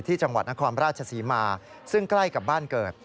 จังหวัดนครราชศรีมาซึ่งใกล้กับบ้านเกิด